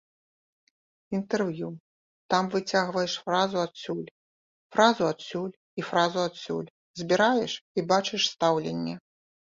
Інтэрв'ю, там выцягваеш фразу адсюль, фразу адсюль і фразу адсюль, збіраеш і бачыш стаўленне.